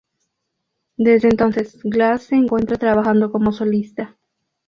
Desde entonces, Glass se encuentra trabajando como solista.